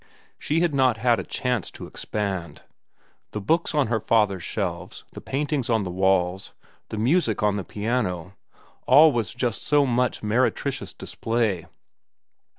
She had not had a chance to expand. The books on her father's shelves, the paintings on the walls, the music on the piano—all was just so much meretricious display.